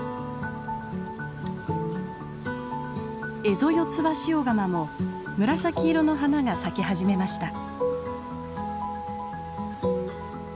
エゾヨツバシオガマも紫色の花が咲き始めました。